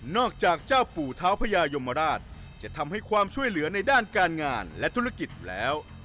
จากเจ้าปู่เท้าพญายมราชจะทำให้ความช่วยเหลือในด้านการงานและธุรกิจอยู่แล้ว